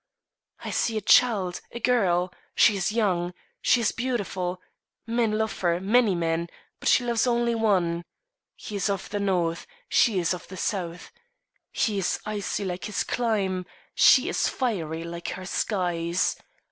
"I see a child, a girl. She is young; she is beautiful. Men love her, many men, but she loves only one. He is of the North; she is of the South. He is icy like his clime; she is fiery like her skies.